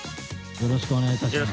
よろしくお願いします。